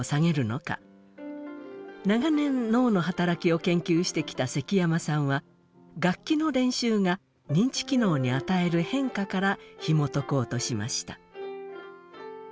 長年脳の働きを研究してきた積山さんは楽器の練習が認知機能に与える変化からひもとこうとしました。